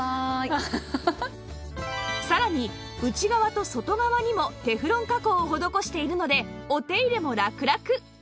さらに内側と外側にもテフロン加工を施しているのでお手入れもラクラク